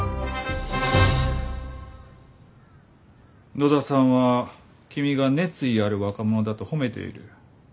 野田さんは君が熱意ある若者だと褒めている。